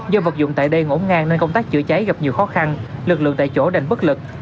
do vật dụng tại đây ngỗ ngang nên công tác chữa cháy gặp nhiều khó khăn lực lượng tại chỗ đành bất lực